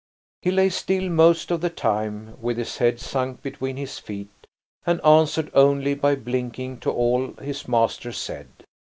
He lay still most of the time, with his head sunk between his feet, and answered only by blinking to all his master said.